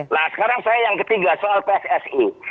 nah sekarang saya yang ketiga soal pssi